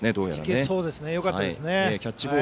いけそうですねよかったです。